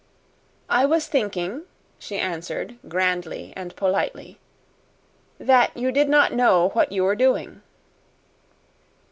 "I was thinking," she answered grandly and politely, "that you did not know what you were doing."